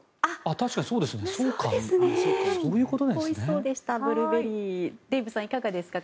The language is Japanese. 確かにそうですね。